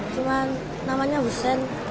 cuman namanya hussein